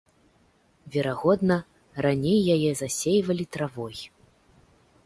Верагодна, раней яе засейвалі травой.